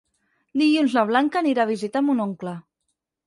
Dilluns na Blanca anirà a visitar mon oncle.